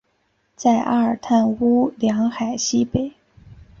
在阿尔泰乌梁海西北。